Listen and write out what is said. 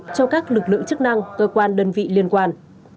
cho các lực lượng chức năng cơ quan đơn vị liên quan